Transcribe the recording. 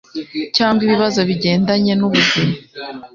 cyangwa ibibazo bigendanye n'ubuzima ,